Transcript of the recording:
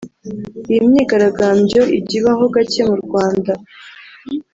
Iyi myigaragambyo ijya ibaho gake mu Rwanda